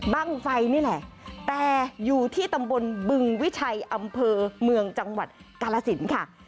บ้างไฟนี่แหละแต่อยู่ที่ตำบลบึงวิชัยอำเภอเมืองจังหวัดกาลสินค่ะ